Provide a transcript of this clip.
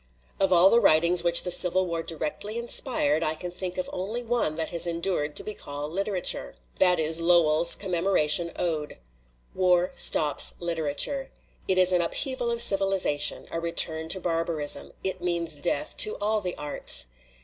" Of all the writings which the Civil War directly inspired I can think of only one that has endured to be called literature. That is Lowell's 'Com memoration Ode.' "War stops literature. It is an upheaval of civilization, a return to barbarism; it means death to all the arts.